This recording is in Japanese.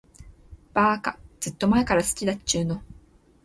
ばーか、ずーっと前から好きだっちゅーの。